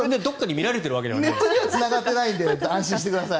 ネットにはつながってないので安心してください。